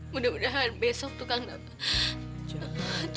mudah mudahan besok tukang dapat